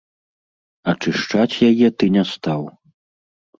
Ачышчаць яе ты не стаў.